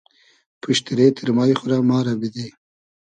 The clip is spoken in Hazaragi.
پوشتیرې تیرمای خو رۂ ما رۂ بیدی